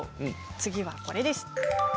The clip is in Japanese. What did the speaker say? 次はこれです。